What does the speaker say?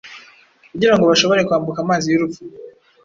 kugirango bashobore kwambuka amazi yurupfu